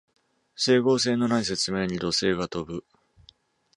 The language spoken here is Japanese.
整合性のない説明に怒声が飛ぶ